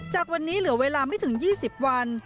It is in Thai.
จากวันนี้เหลือเวลาไม่ถึง๒๐วัน